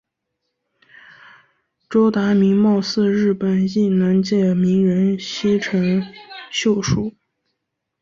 周达明貌似日本艺能界名人西城秀树。